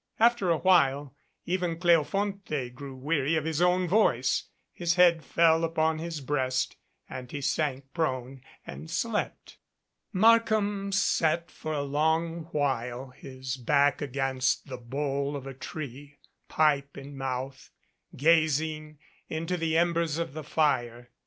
After a while even Cleofonte grew weary of his own voice, his head fell upon his breast, and he sank prone and slept. Markham sat for a long while, his back against the bole of a tree, pipe in mouth, gazing into the embers of the fire.